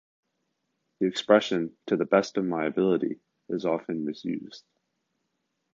The expression "to the best of my ability" is often misused.